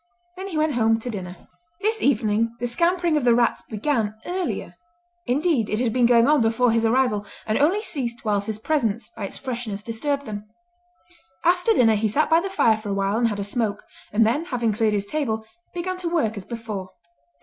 Then he went home to dinner. This evening the scampering of the rats began earlier; indeed it had been going on before his arrival, and only ceased whilst his presence by its freshness disturbed them. After dinner he sat by the fire for a while and had a smoke; and then, having cleared his table, began to work as before.